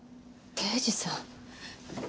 刑事さん。